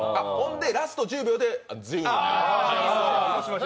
ラスト１０秒で全員で。